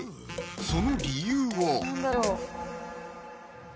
その理由は？